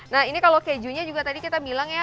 nah ini kalau kejunya juga tadi kita bilang ya